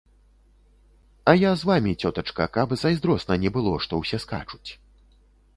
А я з вамі, цётачка, каб зайздросна не было, што ўсе скачуць.